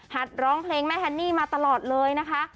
ร้องเพลงแม่ฮันนี่มาตลอดเลยนะคะ